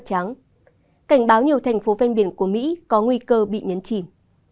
cảnh báo nhiều thành phố ven biển của mỹ có nguy cơ bị nhấn chìm